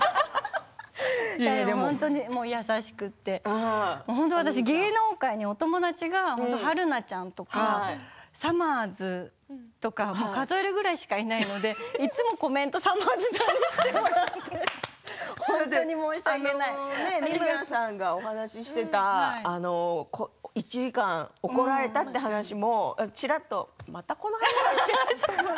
でも本当に優しくて私、芸能界にお友達が春菜ちゃんとかさまぁずとか数えるぐらいしかいないのでいつもコメントさまぁずさんにしてもらって三村さんがお話ししていた１時間怒られたという話もちらっとまたこんなお話ししているって。